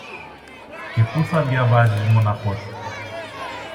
και που θα διαβάζεις μονάχος σου.